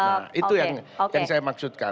nah itu yang saya maksudkan